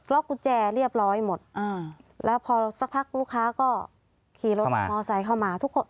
รอกกุญแจเรียบร้อยหมดแล้วพอสักพักลูกค้าก็ขี่รถมอสัยเข้ามา